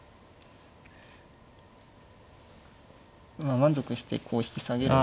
まあ満足してこう引き下げる。